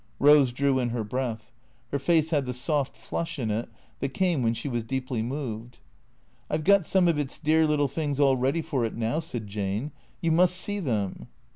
Rose drew in her breath. Her face had the soft flush in it that came when she was deeply moved. " I 've got some of its dear little things all ready for it now," said Jane. " You must see them."